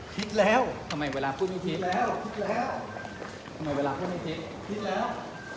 คิดแล้วทำไมเวลาพูดไม่ทิ้งแล้วคิดแล้วทำไมเวลาพูดไม่เทคคิดแล้ว